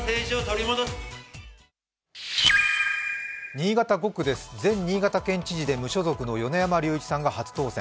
新潟５区です、前新潟県知事で無所属の米山隆一さんが初当選。